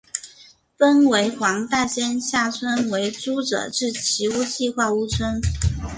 分为黄大仙下邨为租者置其屋计划屋邨。